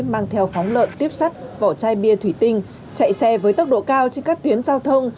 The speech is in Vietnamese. mang theo phóng lợn tuyếp sắt vỏ chai bia thủy tinh chạy xe với tốc độ cao trên các tuyến giao thông